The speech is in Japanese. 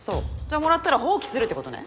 じゃあもらったら放棄するってことね。